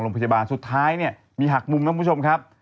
โรงพยาบาลสุดท้ายเนี่ยมีหักมุมนะคุณผู้ชมครับ